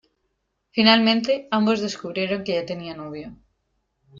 Finalmente, ambos descubrieron que ya tenía novio.